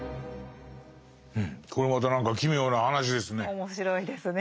これまた何か奇妙な話ですね。